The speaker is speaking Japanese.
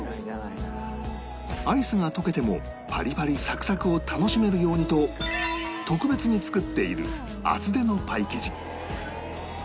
アイスが溶けてもパリパリサクサクを楽しめるようにと特別に作っている厚手のパイ生地